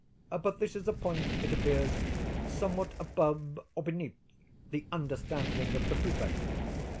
But this is a point, it appears, somewhat above or beneath the understanding of the Prefect.